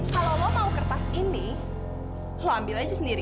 kalau mau kertas ini lo ambil aja sendiri